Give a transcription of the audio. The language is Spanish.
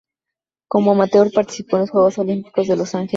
Cómo amateur participó en los Juegos Olímpicos de Los Angeles.